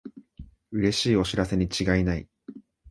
うれしいお知らせにちがいない